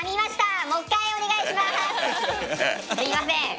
すみません。